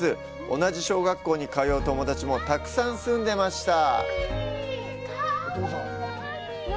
同じ小学校に通う友達もたくさん住んでました。